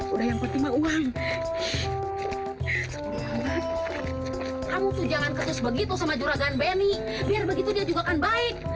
udah yang penting uang kamu jangan kerjas begitu sama juragan benny biar begitu dia juga kan baik